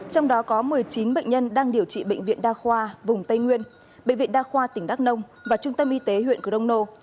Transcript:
trong đó có một mươi chín bệnh nhân đang điều trị bệnh viện đa khoa vùng tây nguyên bệnh viện đa khoa tỉnh đắk nông và trung tâm y tế huyện crono